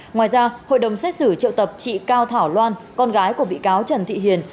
ngoài ra hội đồng xét xử triệu tập chị cao thảo loan con gái của bị cáo trần thị hiền